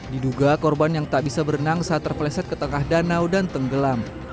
diduga korban yang tak bisa berenang saat terpleset ke tengah danau dan tenggelam